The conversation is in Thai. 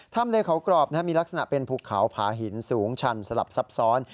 เลเขากรอบมีลักษณะเป็นภูเขาผาหินสูงชันสลับซับซ้อน